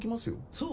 そう？